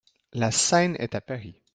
La scène est à Paris.